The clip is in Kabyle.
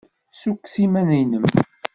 Ssukkes iman-nnem.